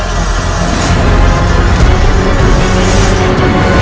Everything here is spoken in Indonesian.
dan maka jendela